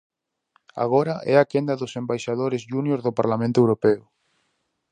Agora é a quenda dos embaixadores júnior do Parlamento Europeo.